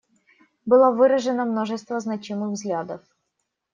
Было выражено множество значимых взглядов.